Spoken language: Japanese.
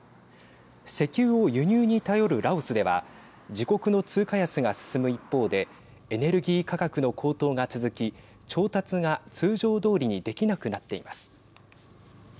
石油を輸入に頼るラオスでは自国の通貨安が進む一方でエネルギー価格の高騰が続き調達が通常どおりにできなくなっています。